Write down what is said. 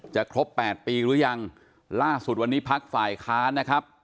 ครบ๘ปีหรือยังล่าสุดวันนี้พักฝ่ายค้านนะครับ